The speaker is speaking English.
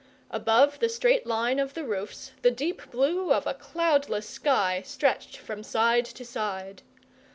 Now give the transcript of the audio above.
Above the straight line of the roofs the deep blue of a cloudless sky stretched from side to side.